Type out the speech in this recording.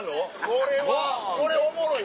これはこれおもろい。